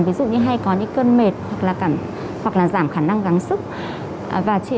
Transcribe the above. ví dụ như hay có những cơn mệt hoặc là giảm khả năng gắng sức